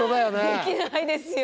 できないですよ。